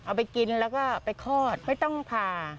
เอาไปกินแล้วก็ไปคลอดไม่ต้องผ่า